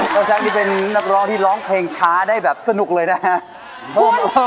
เจ้าแซคนี่เป็นนักร้องที่ร้องเพลงช้าได้แบบสนุกเลยนะฮะ